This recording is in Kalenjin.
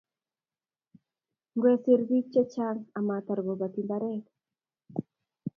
Ngwesir biik chechang amatar kobati mbaret